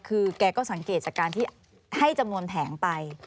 คือแกก็สังเกตจากการที่ให้จำนวนแผงไป